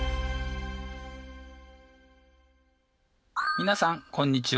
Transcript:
皆さんこんにちは。